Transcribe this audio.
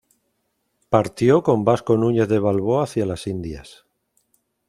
Partió con Vasco Núñez de Balboa hacia las Indias.